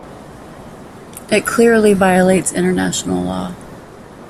It clearly violates International Law.